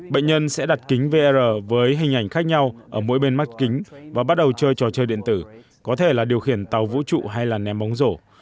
bệnh nhân sẽ đặt kính vr với hình ảnh khác nhau ở mỗi bên mắt kính và bắt đầu chơi trò chơi điện tử có thể là điều khiển tàu vũ trụ hay là ném bóng rổ